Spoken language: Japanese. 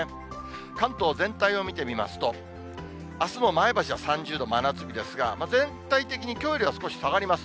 関東全体を見てみますと、あすも前橋は３０度、真夏日ですが、全体的にきょうよりは少し下がります。